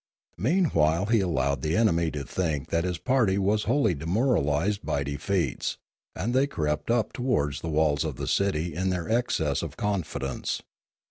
Meanwhile he allowed the enemy to think that his party was wholly demoralised by defeats, and they crept up towards the walls of the city in their excess of confidence.